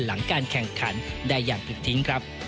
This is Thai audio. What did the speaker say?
หลังการแข่งขันได้อย่างถูกทิ้งครับ